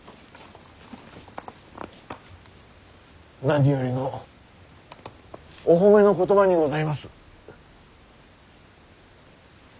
何よりのお褒めの言葉にございます。